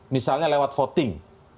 misalnya lewat voting